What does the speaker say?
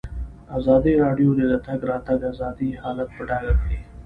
ازادي راډیو د د تګ راتګ ازادي حالت په ډاګه کړی.